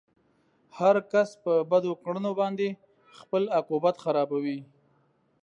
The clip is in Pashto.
هر کس په بدو کړنو باندې خپل عاقبت خرابوي.